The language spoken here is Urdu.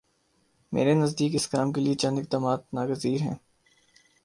میرے نزدیک اس کام کے لیے چند اقدامات ناگزیر ہیں۔